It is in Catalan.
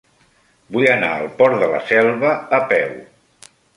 Vull anar al Port de la Selva a peu.